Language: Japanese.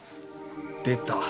出た。